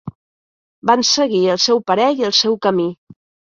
Van seguir el seu parer i el seu camí